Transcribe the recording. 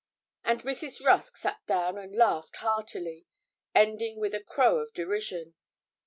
And Mrs. Rusk sat down and laughed heartily, ending with a crow of derision.